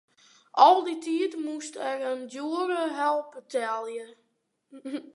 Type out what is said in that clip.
Al dy tiid moast er in djoere help betelje.